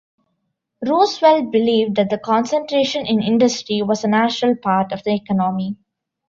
Roosevelt believed that the concentration in industry was a natural part of the economy.